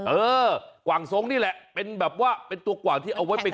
เออกว่างทรงนี่แหละเป็นแบบว่าเป็นตัวกว่างที่เอาไว้เป็น